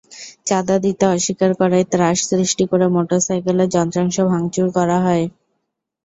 চাঁদা দিতে অস্বীকার করায় ত্রাস সৃষ্টি করে মোটরসাইকেলের যন্ত্রাংশ ভাঙচুর করা হয়।